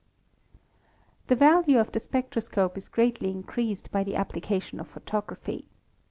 The value of the spectroscope is greatly increased by the application of photography.